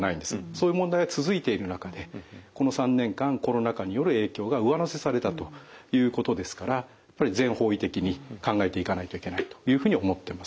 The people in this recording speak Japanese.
そういう問題が続いている中でこの３年間コロナ禍による影響が上乗せされたということですからやっぱり全方位的に考えていかないといけないというふうに思ってます。